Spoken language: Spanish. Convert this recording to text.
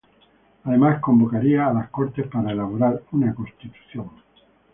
Además convocaría a las Cortes para elaborar una Constitución.